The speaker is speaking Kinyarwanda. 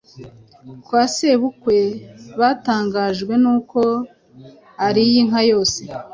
kwa sebukwe batangajwe n’uko ariye inka yose,